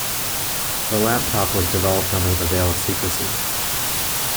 The laptop was developed under the veil of secrecy.